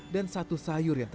dan menemukan warteg yang lain